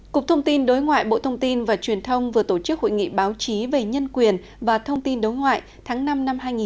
cục thông tin đối ngoại bộ thông tin và truyền thông vừa tổ chức hội nghị báo chí về nhân quyền và thông tin đối ngoại tháng năm năm hai nghìn một mươi chín